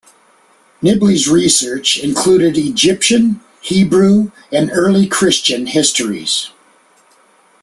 Nibley's research included Egyptian, Hebrew, and early Christian histories.